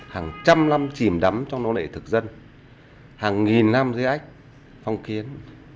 hàng trăm năm chìm đắm trong nô nệ thực dân hàng nghìn năm dưới ách phong kiến